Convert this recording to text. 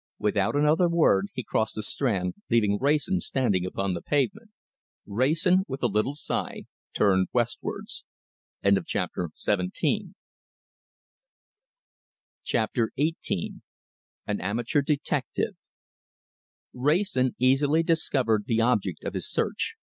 Without another word, he crossed the Strand, leaving Wrayson standing upon the pavement. Wrayson, with a little sigh, turned westwards. CHAPTER XVIII AN AMATEUR DETECTIVE Wrayson easily discovered the object of his search.